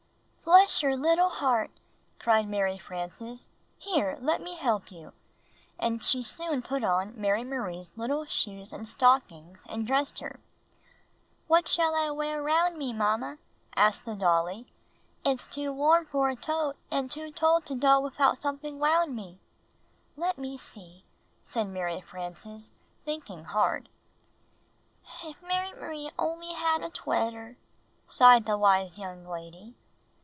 "Bless your little heart!" cried Mary Frances. "Here, let me help you!" and she soon put on Mary •V'(0)fid€.r'.' Marie's little shoes and stockings, and dressed her. 1127] on \T jittie Slipper fl 128 Knitting and Crocheting Book "What shall I wear wound me, Mamma?" asked the dolly. ''It's too warm for a toat, and too told to doe wifout somet'ing wound me." "Let me see," said Mary Frances, thinking hard. "If Mary M'rie only had a twetter!" sighed the wise young lady.